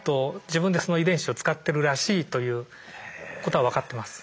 自分でその遺伝子を使ってるらしいということは分かってます。